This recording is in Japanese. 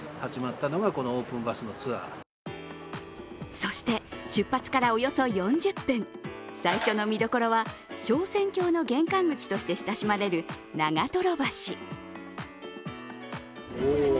そして出発からおよそ４０分、最初の見どころは昇仙峡の玄関口として親しまれる長潭橋。